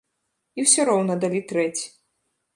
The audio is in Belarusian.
І ўсё роўна далі трэці.